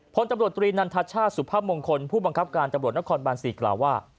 พลตำรวจตรีนันทชาติสุภาพมงคลผู้บังคับการตำรวจนครบาน๔กล่าวว่า